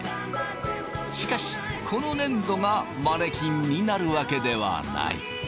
しかしこの粘土がマネキンになるわけではない。